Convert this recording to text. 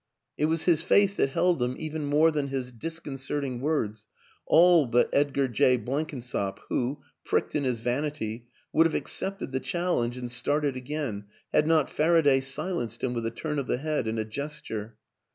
It was his face that held them even more than his disconcerting words all but Edgar Jay Blenkin sop, who, pricked in his vanity, would have ac cepted the challenge and started again had not Faraday silenced him with a turn of the head and a gesture.